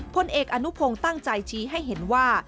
พลเอกอนุพงศ์ตั้งใจชี้ให้เห็นว่า